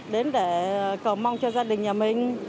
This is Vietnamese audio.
đến để cầu mong cho gia đình nhà mình